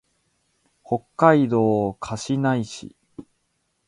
北海道歌志内市